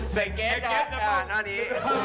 ใส่แก๊ปจะพลุกนี่